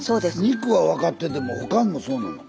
肉は分かってても他もそうなの？